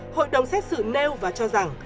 hội đồng xét xử nêu và cho rằng